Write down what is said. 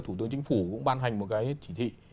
thủ tướng chính phủ cũng ban hành một cái chỉ thị